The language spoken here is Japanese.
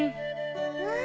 うん。